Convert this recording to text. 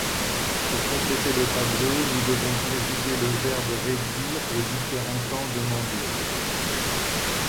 Pour compléter le tableau, nous devons conjuguer le verbe "réduire" aux différents temps demandés.